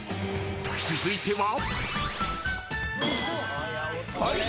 ［続いては］